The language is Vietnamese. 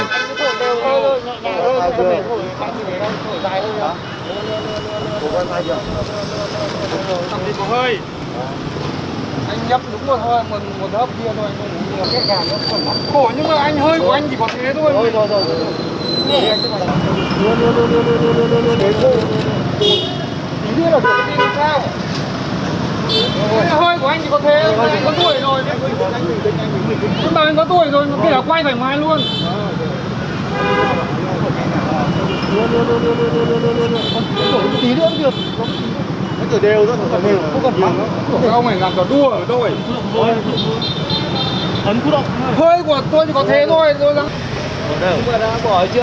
hơi của anh chỉ có thế thôi anh có tuổi rồi